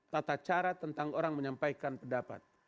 tata cara tentang orang menyampaikan pendapat